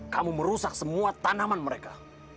kamu merusak semua tanaman mereka